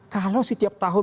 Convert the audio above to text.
kalau setiap tahun